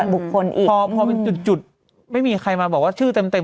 บุคคลอีกพอเป็นจุดไม่มีใครมาบอกว่าชื่อเต็ม